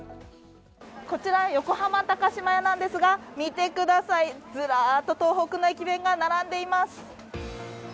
こちら横浜高島屋なんですが、見てください、ずらーっと東北の駅弁が並んでいます。